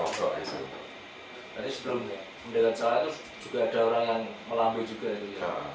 tapi sebelumnya dengan salah itu juga ada orang yang melambai juga